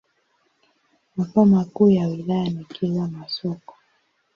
Makao makuu ya wilaya ni Kilwa Masoko.